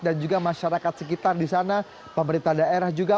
dan juga masyarakat sekitar di sana pemerintah daerah juga